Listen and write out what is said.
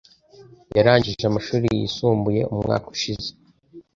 Yarangije amashuri yisumbuye umwaka ushize.